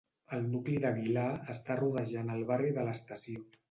El nucli d'Aguilar, està rodejant el barri de l'estació.